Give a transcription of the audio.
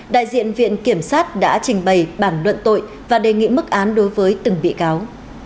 đại diện viện kiểm sát đã trình bày bản luận tội và đề nghị mức án đối với từng bị cáo